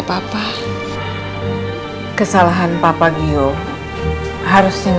dan harus segera dioperasi mas gio